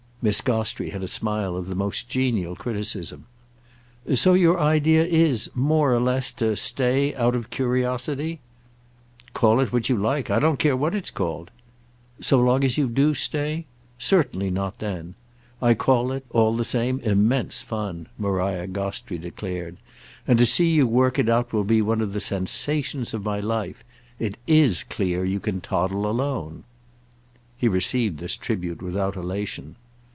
Miss Gostrey had a smile of the most genial criticism. "So your idea is—more or less—to stay out of curiosity?" "Call it what you like! I don't care what it's called—" "So long as you do stay? Certainly not then. I call it, all the same, immense fun," Maria Gostrey declared; "and to see you work it out will be one of the sensations of my life. It is clear you can toddle alone!" He received this tribute without elation.